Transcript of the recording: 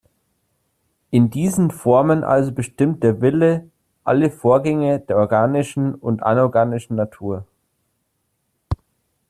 In diesen Formen also bestimmt der Wille alle Vorgänge der organischen und anorganischen Natur.